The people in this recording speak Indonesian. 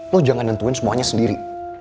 lo jangan nentuin semuanya sendiri